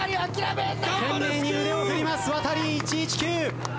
懸命に腕を振りますワタリ１１９。